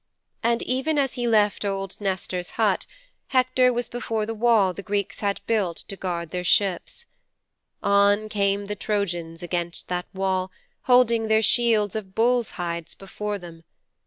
'And even as he left old Nestor's hut, Hector was before the wall the Greeks had builded to guard their ships. On came the Trojans against that wall, holding their shields of bulls' hides before them.